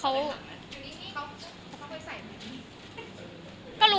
เค้าเคยใส่ออกสื่อออกงาน